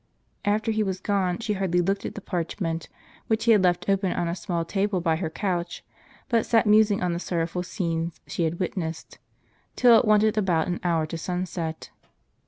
After he was gone she hardly looked at the parchment, which he had left open on a small table by her couch, but sat musing on the sorrowful scenes she had witnessed, till it wanted about an hour to sunset.